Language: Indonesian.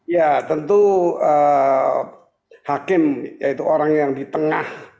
ya tentu hakim yaitu orang yang di tengah